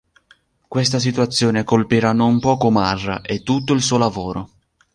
Questa situazione colpirà non poco Marra e tutto il suo lavoro.